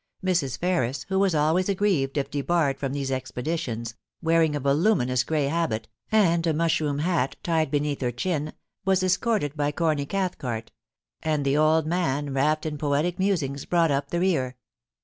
Mrs. Ferris, who was always aggrieved if debarred from these expeditions, wearing a voluminous grey habit, and a mushroom hat tied beneath her chin, was escorted by Corny Cathcart ; and the old man, wrapped in poetic musings, brought up the rear.